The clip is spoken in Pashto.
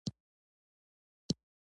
لوبيا معدې لپاره زيانمنې دي.